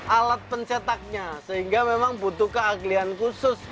alat pencetaknya sehingga memang butuh keahlian khusus